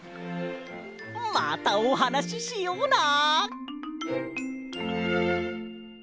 またおはなししような！